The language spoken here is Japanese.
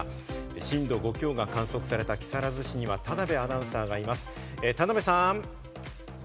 震度５強が観測された木更津市には田辺アナウンサーがいます、田辺さん！